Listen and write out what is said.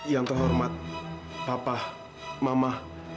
yang terhormat papa mama